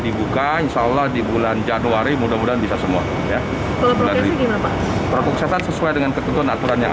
dibuka insyaallah di bulan januari mudah mudahan bisa semua ya sesuai dengan ketentuan aturan yang